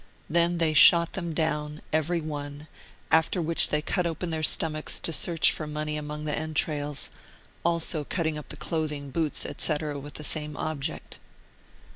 They then shot them down, every one, after which they cut open their stomachs to search for money amongst the entrails, also cutting up the clothing, boots, etc., with the same object.